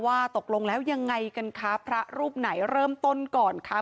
ว่าตกลงแล้วยังไงกันคะพระรูปไหนเริ่มต้นก่อนคะ